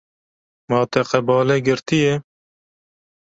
Ma te qebale girtiye.